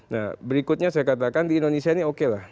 nah berikutnya saya katakan di indonesia ini oke lah